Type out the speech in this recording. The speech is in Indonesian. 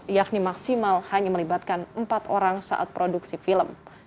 yakni maksimal hanya melibatkan empat orang saat produksi film